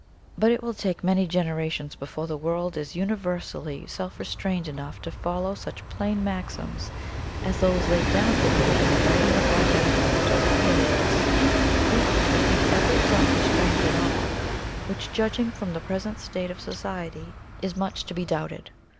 But it will take many generations before the world is UNIVERSALLY self restrained enough to follow such plain maxims as those laid down for me in the writing of my benefactor, Heliobas even if it be ever self restrained at all, which, judging from the present state of society, is much to be doubted.